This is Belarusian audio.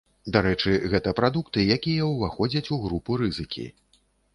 Дарэчы, гэта прадукты, якія ўваходзяць у групу рызыкі.